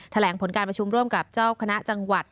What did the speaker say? แถลงผลการประชุมร่วมกับเจ้าคณะจังหวัด